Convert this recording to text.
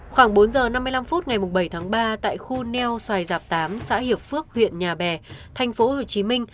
khoảng bốn h năm mươi năm phút ngày bảy tháng ba tại khu neo xoài giạp tám xã hiệp phước huyện nhà bè tp hcm